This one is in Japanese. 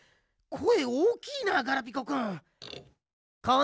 こえおおきいなガラピコくん。